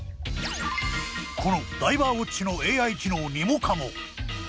このダイバーウォッチのＡＩ機能ニモカモ！